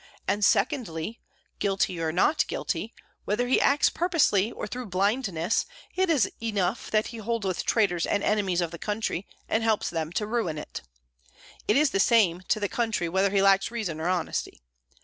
And secondly, guilty or not guilty, whether he acts purposely or through blindness, it is enough that he holds with traitors and enemies of the country, and helps them to ruin it. It is the same to the country whether he lacks reason or honesty.